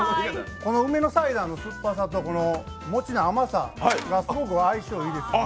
この梅のサイダーの酸っぱさとこの餅の甘さがすごく相性いいです。